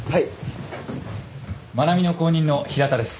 真奈美の後任の平田です。